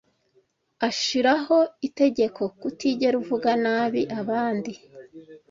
Ashiraho itegeko kutigera uvuga nabi abandi.